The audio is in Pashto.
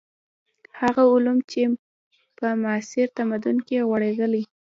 هغه علوم چې په معاصر تمدن کې غوړېدلي.